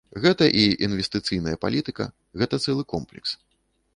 Гэта і інвестыцыйная палітыка, гэта цэлы комплекс.